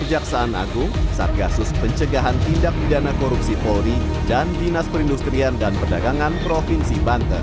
kejaksaan agung satgasus pencegahan tindak pidana korupsi polri dan dinas perindustrian dan perdagangan provinsi banten